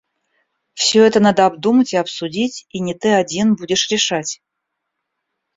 Всё это надо обдумать и обсудить, и не ты один будешь решать.